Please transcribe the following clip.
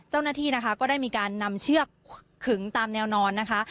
เจ้าหน้าที่นะคะก็ได้มีการนำเชือกขึงตามแนวนอนนะคะ